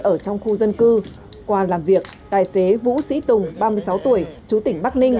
ở trong khu dân cư qua làm việc tài xế vũ sĩ tùng ba mươi sáu tuổi chú tỉnh bắc ninh